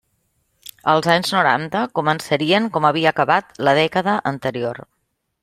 Els anys noranta començarien com havia acabat la dècada anterior.